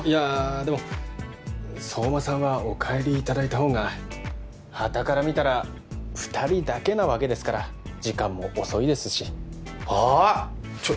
でも相馬さんはお帰りいただいた方が端から見たら二人だけなわけですから時間も遅いですしあっ！